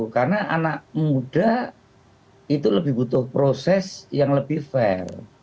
karena anak muda itu lebih butuh proses yang lebih fair